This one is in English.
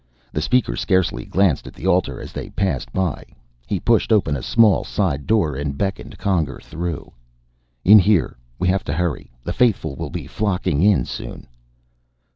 The Speaker scarcely glanced at the altar as they passed by. He pushed open a small side door and beckoned Conger through. "In here. We have to hurry. The faithful will be flocking in soon."